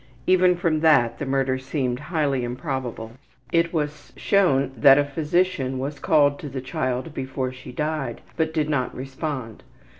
Even from that, the murder seemed highly improbable. It was shown that a physician was called to the child before she died, but did not respond.